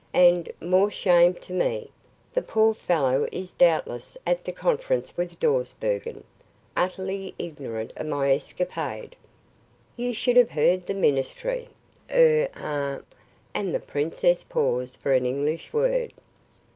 And, more shame to me, the poor fellow is doubtless at the conference with Dawsbergen, utterly ignorant of my escapade. You should have heard the ministry er ah " and the princess paused for an English word.